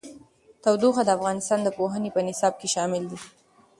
تودوخه د افغانستان د پوهنې په نصاب کې شامل دي.